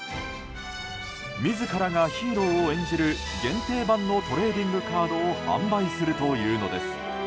自らがヒーローを演じる限定版のトレーディングカードを販売するというのです。